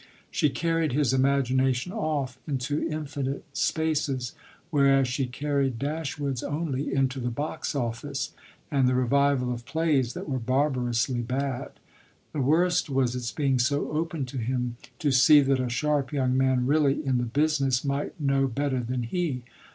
She carried his imagination off into infinite spaces, whereas she carried Dashwood's only into the box office and the revival of plays that were barbarously bad. The worst was its being so open to him to see that a sharp young man really in the business might know better than he.